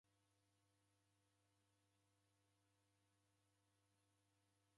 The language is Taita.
Omoni ni mndu umanyikie kwa iyo mizi.